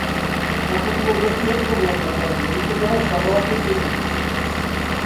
Va fer col·laboracions amb les empreses editorials de Roca i Cornet.